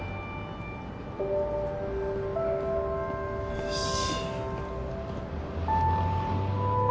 よし。